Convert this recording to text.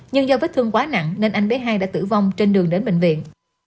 nhưng do vết thương quá nặng nên anh bé hai đã tử vong trên đường đến bệnh viện